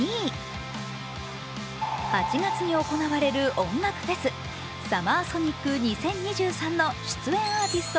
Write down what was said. ８月に行われる音楽フェス、ＳＵＭＭＥＲＳＯＮＩＣ２０２３の出演アーティスト